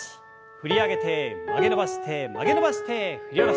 振り上げて曲げ伸ばして曲げ伸ばして振り下ろす。